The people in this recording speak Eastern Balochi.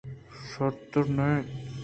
شرتر نہ اِنت